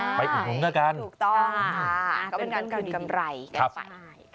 ใช่ถูกต้องค่ะเป็นการกำไรกันไปใช่